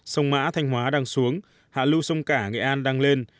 sông mã thanh hóa đang xuống hạ lưu sông cả nghệ an đang lên